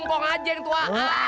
mpong aja yang tua